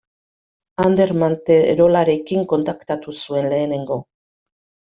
Ander Manterolarekin kontaktatu zuen lehenengo.